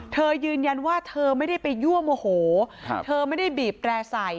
เธอยืนยันว่าเธอไม่ได้ไปยั่วโมโหเธอไม่ได้บีบแร่ใส่